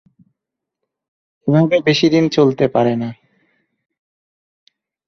এভাবে বেশি দিন চলতে পারে না।